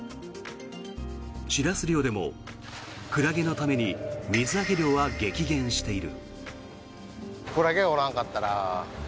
シラス漁でもクラゲのために水揚げ量は激減している。